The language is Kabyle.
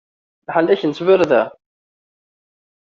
Leḥnak n tbarda.